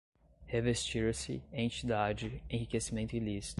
revestir-se, entidade, enriquecimento ilícito